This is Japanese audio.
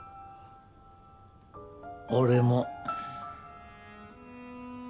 俺も。